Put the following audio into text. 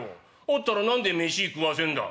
あったら何で飯食わせんだ？」。